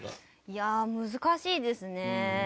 いやあ難しいですね。